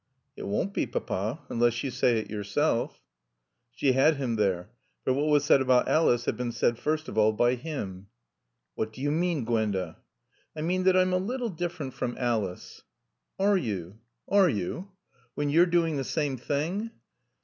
"It won't be, Papa. Unless you say it yourself." She had him there; for what was said about Alice had been said first of all by him. "What do you mean, Gwenda?" "I mean that I'm a little different from Alice." "Are you? Are you? When you're doing the same thing?"